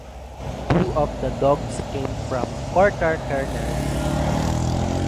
Two of the dogs came from Kortar Kennels, in Ontario.